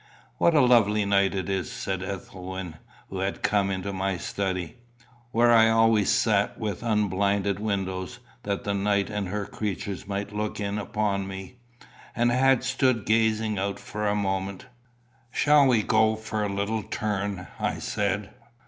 "What a lovely night it is!" said Ethelwyn, who had come into my study where I always sat with unblinded windows, that the night and her creatures might look in upon me and had stood gazing out for a moment. "Shall we go for a little turn?" I said.